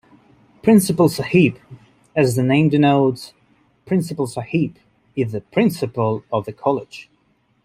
Principal Sahib: As the name denotes, Principal Sahib is the principal of the college.